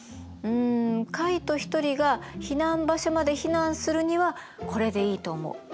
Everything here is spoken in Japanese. うんカイト一人が避難場所まで避難するにはこれでいいと思う。